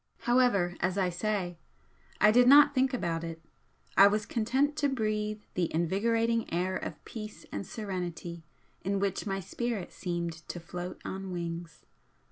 However, as I say, I did not think about it, I was content to breathe the invigorating air of peace and serenity in which my spirit seemed to float on wings.